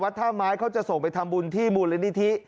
วัชธาไม้จะส่งไปธรรมบุญที่บุรณิธิ